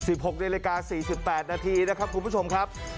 ๑๖นิดนึงรายการ๔๘นาทีนะครับคุณผู้ชมครับ